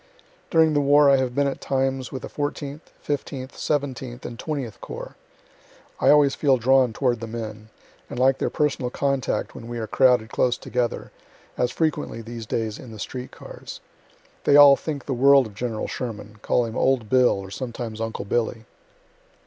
During the war I have been at times with the Fourteenth, Fifteenth, Seventeenth, and Twentieth Corps. I always feel drawn toward the men, and like their personal contact when we are crowded close together, as frequently these days in the street cars. They all think the world of General Sherman; call him "old Bill," or sometimes "uncle Billy."